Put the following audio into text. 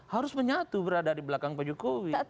harus menyatu berada di belakang pak jokowi